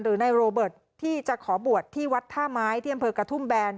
ในโรเบิร์ตที่จะขอบวชที่วัดท่าไม้ที่อำเภอกระทุ่มแบน